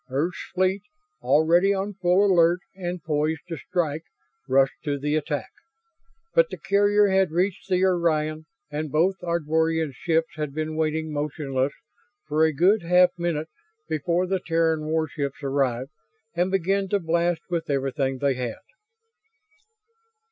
Earth's fleet, already on full alert and poised to strike, rushed to the attack. But the carrier had reached the Orion and both Ardvorian ships had been waiting, motionless, for a good half minute before the Terran warships arrived and began to blast with everything they had.